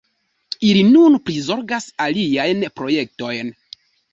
Ili nun prizorgas aliajn projektojn.